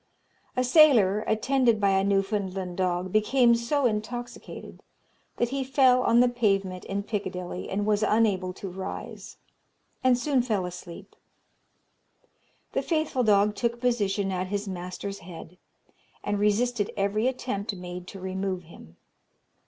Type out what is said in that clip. A sailor, attended by a Newfoundland dog, became so intoxicated, that he fell on the pavement in Piccadilly, and was unable to rise, and soon fell asleep. The faithful dog took a position at his master's head, and resisted every attempt made to remove him.